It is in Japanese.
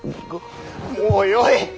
もうよい！